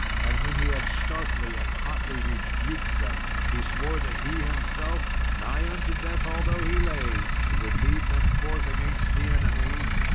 And when he had sharply and hotly rebuked them, he swore that he himself, nigh unto death although he lay, would lead them forth against the enemy.